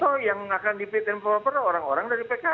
oh yang akan di fit and proper orang orang dari pks